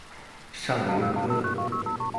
上流哥